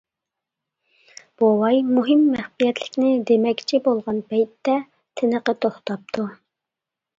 بوۋاي مۇھىم مەخپىيەتلىكنى دېمەكچى بولغان پەيتتە تىنىقى توختاپتۇ.